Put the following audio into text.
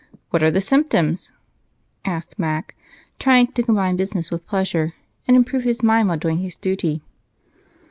What are the symptoms?" asked Mac, trying to combine business with pleasure and improve his mind while doing his duty.